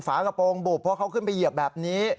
ฝากระโปรงบุบเพราะเขาขึ้นไปเหยียบแบบนี้